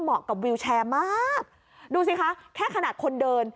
เหมาะกับวิวแชร์มากดูสิคะแค่ขนาดคนเดิน